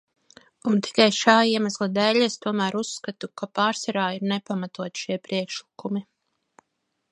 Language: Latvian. Un tikai šā iemesla dēļ es tomēr uzskatu, ka pārsvarā ir nepamatoti šie priekšlikumi.